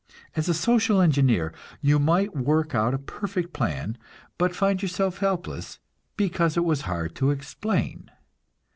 As a social engineer you might work out a perfect plan, but find yourself helpless, because it was hard to explain.